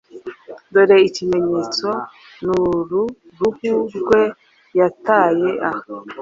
Dore ikimenyetso ni uru uruhu rwe yataye aha